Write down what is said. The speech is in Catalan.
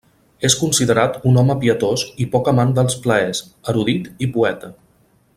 És considerat un home pietós i poc amant dels plaers, erudit i poeta.